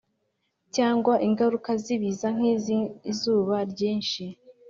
Cyangwa ingaruka z ibiza nk iz izuba ryinshi